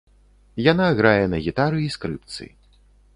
Яна грае на гітары і скрыпцы.